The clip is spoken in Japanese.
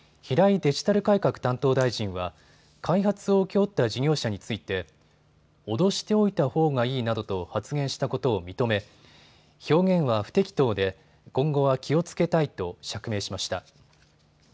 デジタル改革担当大臣は開発を請け負った事業者について脅しておいたほうがいいなどと発言したことを認め表現は不適当で今後は気をつけたいと釈明しました。